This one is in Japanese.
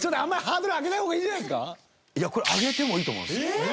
いやこれ上げてもいいと思いますよ。